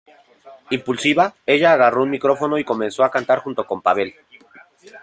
Impulsiva, ella agarró un micrófono y comenzó a cantar junto con Pavel.